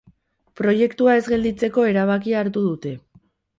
Proiektua ez gelditzeko erabakia hartu dute.